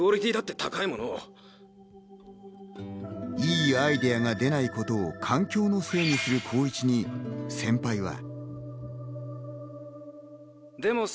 いいアイデアが出ないことを環境のせいにする光一に先輩は。